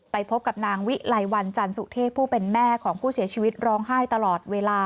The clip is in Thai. พบกับนางวิไลวันจันสุเทพผู้เป็นแม่ของผู้เสียชีวิตร้องไห้ตลอดเวลา